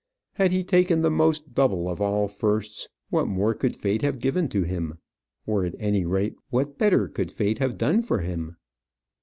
Had he taken the most double of all firsts, what more could fate have given to him? or, at any rate, what better could fate have done for him?